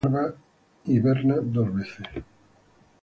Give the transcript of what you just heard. En Escandinavia la larva hiberna dos veces.